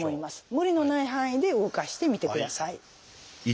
無理のない範囲で動かしてみてください。